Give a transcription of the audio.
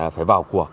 phải vào cuộc